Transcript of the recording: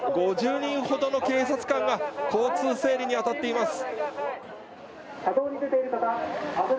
５０人ほどの警察官が交通整理に当たっています。